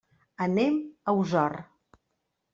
Anem a Osor.